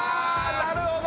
なるほど！